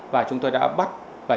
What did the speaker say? và chúng tôi đã bắt và triệu tập đánh bạc